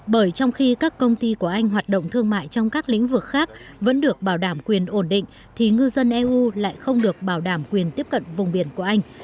bởi trong khi các công ty của anh hoạt động thương mại trong các lĩnh vực khác vẫn được bảo đảm quyền ổn định thì ngư dân eu lại không được bảo đảm quyền tiếp cận vùng biển của anh